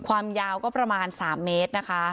ความยาวก็ประมาณ๓เมตรนะคะ